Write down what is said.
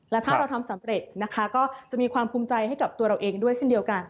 และถ้าเราทำสำเร็จนะคะก็จะมีความภูมิใจให้กับตัวเราเองด้วยเช่นเดียวกัน